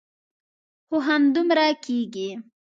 هو همدومره کېږي.